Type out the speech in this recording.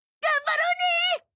頑張ろうね！